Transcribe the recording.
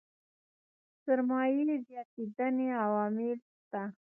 سرمايې زياتېدنې عوامل شته دي.